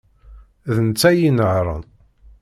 D netta ay inehhṛen.